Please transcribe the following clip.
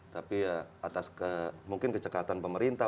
tapi ya atas ke mungkin kecekatan pemerintah